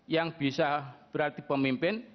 yang bisa berarti pemimpin